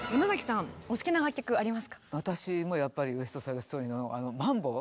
私もやっぱり「ウエスト・サイド・ストーリー」のマンボ！